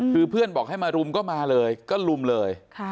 คือเพื่อนบอกให้มารุมก็มาเลยก็ลุมเลย